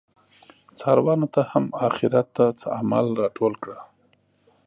څاروانه ته هم اخیرت ته څه عمل راټول کړه